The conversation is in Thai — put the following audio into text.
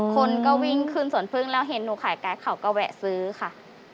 คนก็วิ่งขึ้นสวนพึ่งแล้วเห็นหนูขายไก่เขาก็แวะซื้อค่ะ